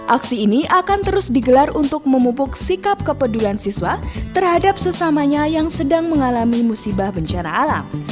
aksi ini akan terus digelar untuk memupuk sikap kepedulian siswa terhadap sesamanya yang sedang mengalami musibah bencana alam